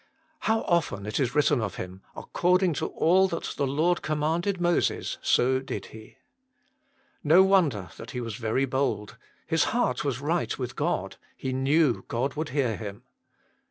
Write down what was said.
How often it is written of him, " According to all that the Lord commanded Moses, so did he." No wonder that he was very bold : his heart was right with God : he knew God would hear him.